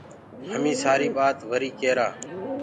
همي سآري بآت وري ڪيرآ۔